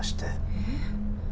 えっ？